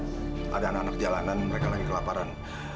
saya lihat ada anak anak jalanan mereka lagi kelaparan